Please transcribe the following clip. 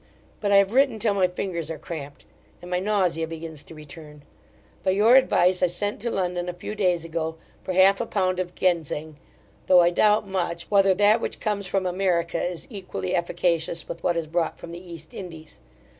But I have written till my fingers are crampt, and my nausea begins to return By your advice, I sent to London a few days ago for half a pound of Gengzeng; though I doubt much, whether that which comes from America is equally efficacious with what is brought from the East Indies.